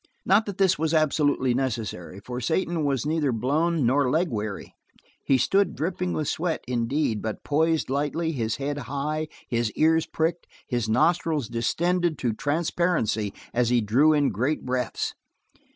Not that this was absolutely necessary, for Satan was neither blown nor leg weary. He stood dripping with sweat, indeed, but poised lightly, his head high, his ears pricked, his nostrils distended to transparency as he drew in great breaths.